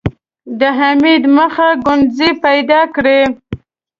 د حميد مخ ګونځې پيدا کړې.